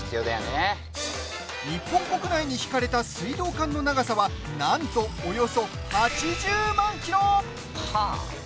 日本国内に引かれた水道管の長さはなんと、およそ８０万ｋｍ。